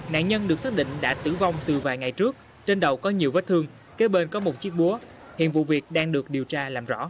nạn nhân được xác định đã tử vong từ vài ngày trước trên đầu có nhiều vết thương kế bên có một chiếc búa hiện vụ việc đang được điều tra làm rõ